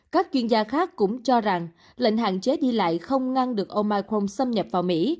các chuyên gia khác cũng cho rằng lệnh hạn chế đi lại không ngăn được ông michel xâm nhập vào mỹ